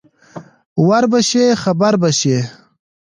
ـ وربشې خبر بشې.